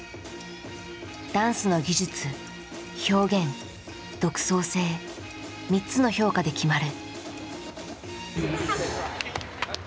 ダンスの技術表現独創性３つの評価で決まる。